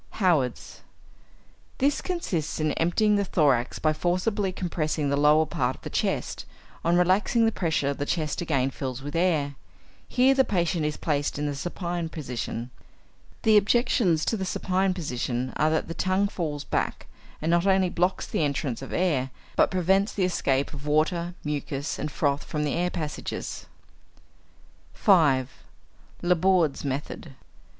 Howard's. This consists in emptying the thorax by forcibly compressing the lower part of the chest; on relaxing the pressure the chest again fills with air. Here the patient is placed in the supine position. The objections to the supine position are that the tongue falls back, and not only blocks the entrance of air, but prevents the escape of water, mucus, and froth from the air passages. 5. _Laborde's Method.